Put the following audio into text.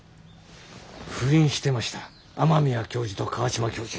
不倫してました雨宮教授と川島教授。